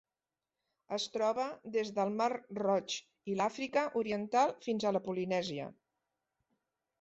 Es troba des del mar Roig i l'Àfrica oriental fins a la Polinèsia.